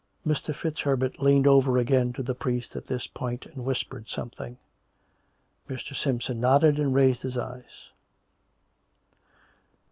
Mr. FitzHerbert leaned over again to the priest at this point and whispered something. Mr. Simpson nodded, and raised his eyes.